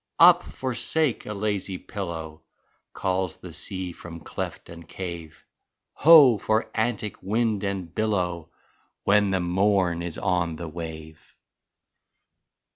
"Up, forsake a lazy pillow!" Calls the sea from cleft and cave, Ho, for antic wind and billow When the morn is on the wave